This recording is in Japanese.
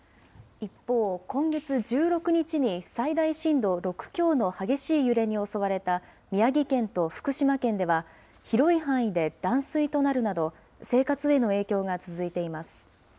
一方、今月１６日に最大震度６強の激しい揺れに襲われた宮城県と福島県では、広い範囲で断水となるなど、生活への影響が続いています。